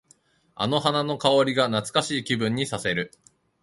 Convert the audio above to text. あの花の香りが懐かしい気分にさせる。